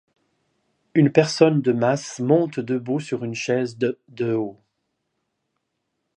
Une personne de masse monte debout sur une chaise de de haut.